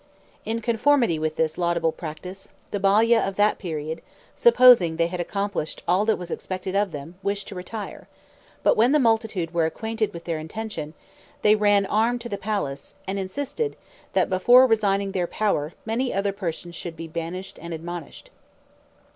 In conformity with this laudable practice, the Balia of that period, supposing they had accomplished all that was expected of them, wished to retire; but when the multitude were acquainted with their intention, they ran armed to the palace, and insisted, that before resigning their power, many other persons should be banished and admonished.